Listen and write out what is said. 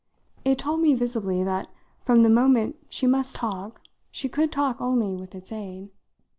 It told me visibly that from the moment she must talk she could talk only with its aid.